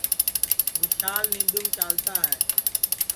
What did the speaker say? وشال نیںدَوںم چالتا ہے